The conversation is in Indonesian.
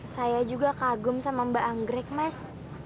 saya juga kagum sama mbak anggrek mas